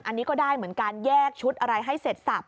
อันนี้ก็ได้เหมือนกันแยกชุดอะไรให้เสร็จสับ